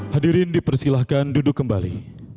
hadirin dipersilahkan duduk kembali